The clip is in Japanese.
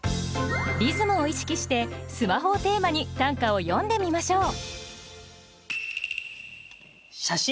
リズムを意識して「スマホ」をテーマに短歌を詠んでみましょう。